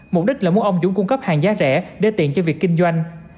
mục đích là muốn ông dũng cung cấp hàng giá rẻ để tiện cho việc kinh doanh